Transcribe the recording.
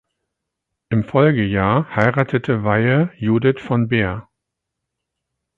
Im Folgejahr heiratete Weyhe Judith von Behr.